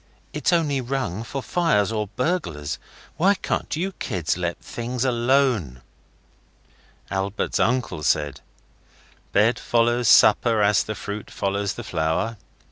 It's only rung for fire or burglars. Why can't you kids let things alone?' Albert's uncle said 'Bed follows supper as the fruit follows the flower.